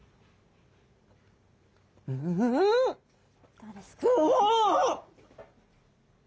どうですか？